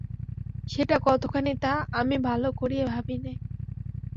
সেটা কতখানি তাহা আমি ভালো করিয়া ভাবি নাই।